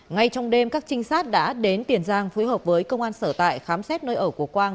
ngay trong đêm các trinh sát đã đến tiền giang phối hợp với công an sở tại khám xét nơi ở của quang